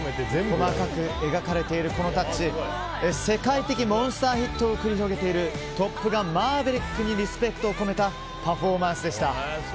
細かく描かれているこのタッチ世界的モンスターヒットを繰り広げている「トップガンマーヴェリック」にリスペクトを込めたパフォーマンスでした。